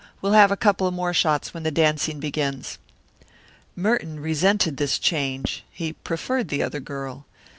We'll have a couple more shots when the dancing begins." Merton resented this change. He preferred the other girl.